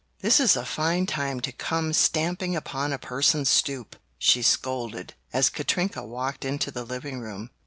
"This is a fine time to come stamping upon a person's stoop!" she scolded, as Katrinka walked into the living room.